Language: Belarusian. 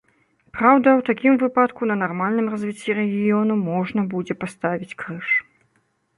Праўда, у такім выпадку на нармальным развіцці рэгіёну можна будзе паставіць крыж.